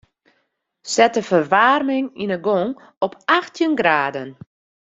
Set de ferwaarming yn 'e gong op achttjin graden.